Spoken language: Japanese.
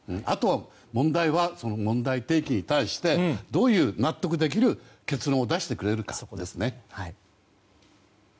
問題は、その問題提起に対してどう納得できる結論を出してくれるかですね。